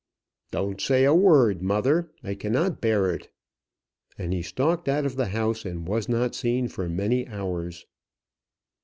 "Don't say a word, mother; I cannot bear it." And he stalked out of the house, and was not seen for many hours.